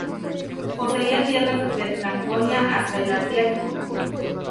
Poseía tierras desde Franconia hasta el Adriático.